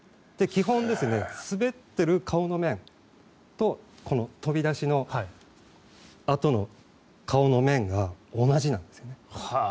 基本、滑っている顔の面とこの飛び出しのあとの顔の面が同じなんですよね。